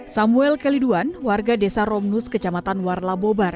samuel keliduan warga desa romnus kecamatan warla bobar